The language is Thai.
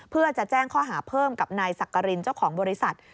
เพื่อจะแจ้งข้อหาเพิ่มกับนายสักกรินเจ้าของบริษัท